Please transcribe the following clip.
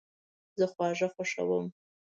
زه خواږه خوښوم